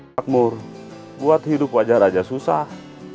pak mur buat hidup wajar aja susah